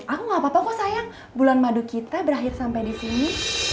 aku gapapa kok sayang bulan madu kita berakhir sampai disini